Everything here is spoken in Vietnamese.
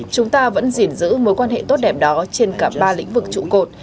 chúng ta vẫn gìn giữ mối quan hệ tốt đẹp đó trên cả ba lĩnh vực trụ cột